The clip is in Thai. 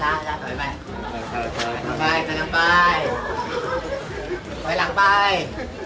กลับไปข้างแล้วกลับไป